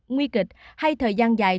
nguy kịch hay thời gian dài